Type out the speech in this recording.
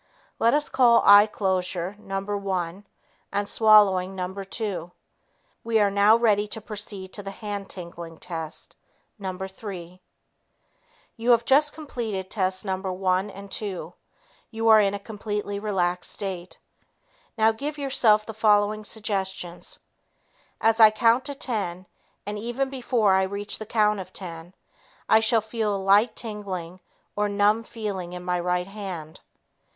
Let us call eye closure No. 1, and swallowing No. 2. We are now ready to proceed to the "hand tingling" test No. 3. You have just completed tests No. 1 and 2; you are in a completely relaxed state. Now give yourself the following suggestions: "As I count to ten and even before I reach the count of ten, I shall feel a light tingling or numb feeling in my right hand."